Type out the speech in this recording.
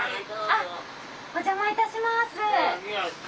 あっお邪魔いたします。